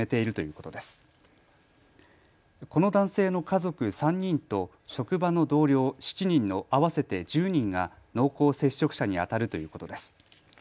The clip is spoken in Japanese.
この男性の家族３人と職場の同僚７人の合わせて１０人が濃厚接触者にあたるということです。